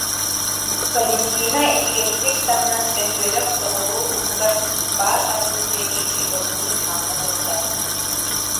Валентина ичигэстик таҥнан бөһүөлэк соҕуруу уһугар баар арыы тыа диэки оргууй хаама турда